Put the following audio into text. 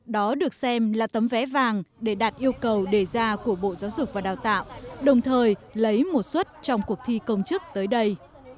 đó được xem là tấm vé vàng để đạt yêu cầu đề ra của bộ giáo dục và đào tạo đồng thời lấy một suất trong cuộc thi công chức tới đây